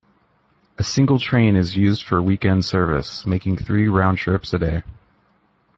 A single train is used for weekend service, making three round trips each day.